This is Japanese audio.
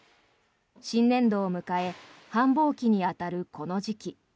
新年度を迎え、繁忙期に当たるこの時期。